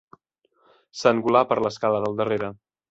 S'engolà per l'escala del darrere.